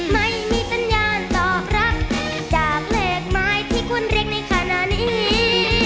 ไม่มีสัญญาณตอบรับจากเลขหมายที่คุณเรียกในขณะนี้